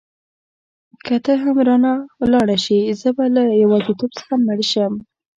که ته هم رانه ولاړه شې زه به له یوازیتوب څخه مړ شم.